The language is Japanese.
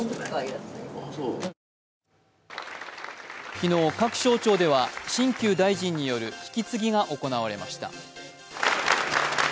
昨日、各省庁では新旧大臣による引き継ぎが行われました。